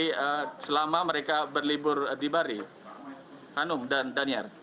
jadi selama mereka berlibur di bali hanum dan daniar